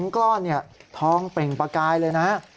๒ก้อนธองเป็นปากายเลยนะ